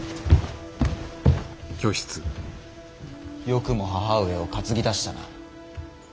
よくも母上を担ぎ出したな。